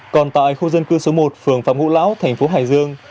còn tại khu dân cư số một phường phạm ngũ lão thành phố hải dương